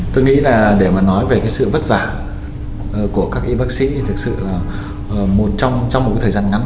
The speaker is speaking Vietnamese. tôi nghĩ là để mà nói về sự vất vả của các y bác sĩ thì thực sự là trong một thời gian ngắn